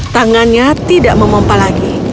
tangannya tidak memompah lagi